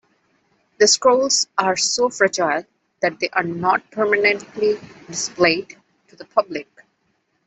The scrolls are so fragile that they are not permanently displayed to the public.